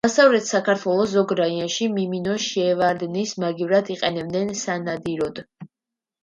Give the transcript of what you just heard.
დასავლეთ საქართველოს ზოგ რაიონში მიმინოს შევარდნის მაგივრად იყენებენ სანადიროდ.